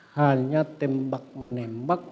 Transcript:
hanya tembak menembak